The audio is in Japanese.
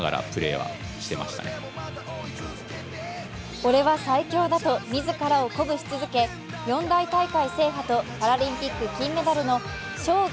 俺は最強だと自らを鼓舞し続け四大大会制覇とパラリンピック金メダルの生涯